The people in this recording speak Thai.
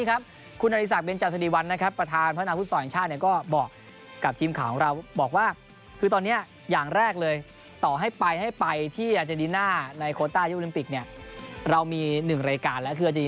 อาจารยีนาทเจ้าภาพเนี่ยเขาเชิญเราไปอุ่นเครื่อง